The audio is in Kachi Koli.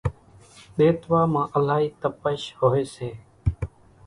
ۮيتوا مان الائي تپش ھوئي سي